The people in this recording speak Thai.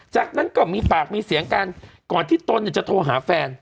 จากนั้นก็มีปากมีเสียงกันก่อนที่ตนจะโทรหาแฟน